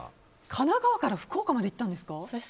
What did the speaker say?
神奈川から福岡まで行ったんですか？